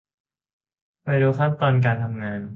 ไปดูขั้นตอนการทำงาน